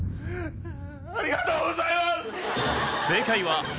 ありがとうございます！